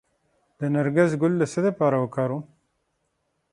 د نرګس ګل د څه لپاره وکاروم؟